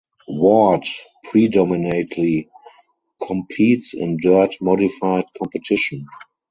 Ward predominately competes in dirt modified competition.